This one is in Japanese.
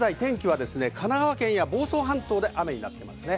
神奈川県や房総半島で雨になっています。